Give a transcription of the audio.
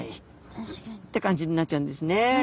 確かに。って感じになっちゃうんですね。